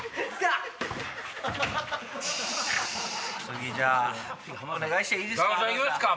次お願いしていいですか？